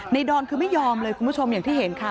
ดอนคือไม่ยอมเลยคุณผู้ชมอย่างที่เห็นค่ะ